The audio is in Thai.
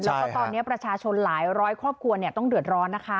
แล้วก็ตอนนี้ประชาชนหลายร้อยครอบครัวต้องเดือดร้อนนะคะ